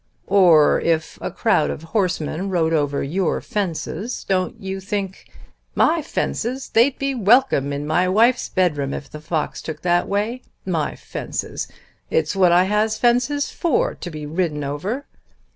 "Or if a crowd of horsemen rode over your fences, don't you think " "My fences! They'd be welcome in my wife's bedroom if the fox took that way. My fences! It's what I has fences for, to be ridden over."